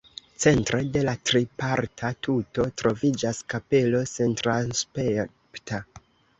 Centre de la triparta tuto troviĝas kapelo sentransepta.